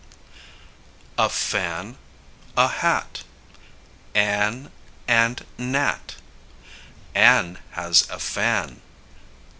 ] a fan a hat Ann and Nat. Ann has a fan.